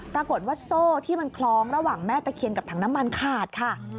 ปรากฏว่าโซ่ที่มันคล้องระหว่างแม่ตะเคียนกับถังน้ำมันขาดค่ะ